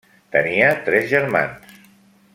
Tenia tres germans.